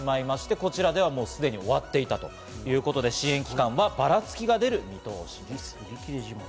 こちらではすでに終わっていたということで支援期間はばらつきが出る見通しです。